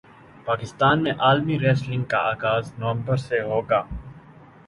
پاکستان میں عالمی ریسلنگ کا اغاز نومبر سے ہوگا